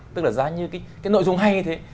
tức là ra như cái nội dung hay như thế